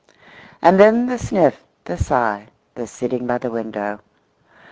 And then the sniff, the sigh, the sitting by the window.